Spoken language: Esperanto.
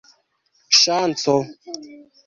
ŝanco